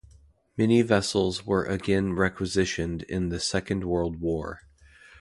Many vessels were again requisitioned in the Second World War.